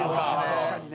確かにね。